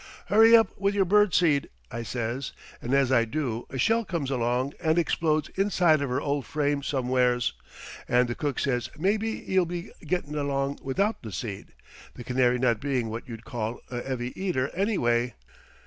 'Hurry up with your bird seed,' I says, and as I do a shell comes along and explodes inside of 'er old frame somewheres, and the cook says maybe 'e'll be gettin' along without the seed the canary not being what you'd call a 'eavy eater, anyway.